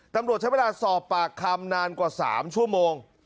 ตำรวจใช้เวลาสอบปากคำนานกว่า๓ชั่วโมง